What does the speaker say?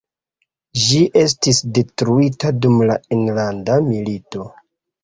Ĝi estis detruita dum la Enlanda Milito.